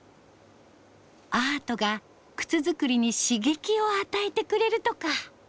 アートが靴作りに刺激を与えてくれるとか。